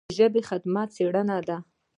د ژبې خدمت څېړنه ده.